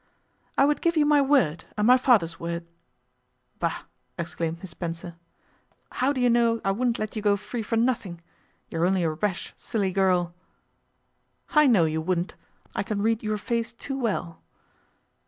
'I would give you my word, and my father's word.' 'Bah!' exclaimed Miss Spencer: 'how do you know I wouldn't let you go free for nothing? You are only a rash, silly girl.' 'I know you wouldn't. I can read your face too well.